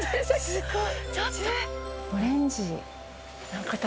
すごい。